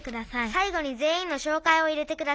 「さいごにぜんいんのしょうかいを入れてください」。